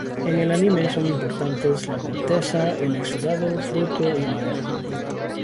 En el anime son importantes: la corteza, el exudado, fruto y madera.